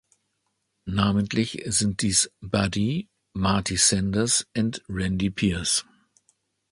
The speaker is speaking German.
Namentlich sind dies Buddy, Marty Sanders and Randy Pierce.